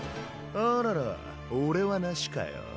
あらら俺はなしかよ？